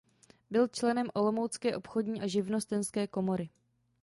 Byl členem olomoucké obchodní a živnostenské komory.